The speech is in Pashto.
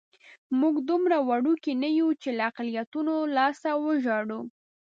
موږ دومره وړوکي نه یو چې له اقلیتونو لاسه وژاړو.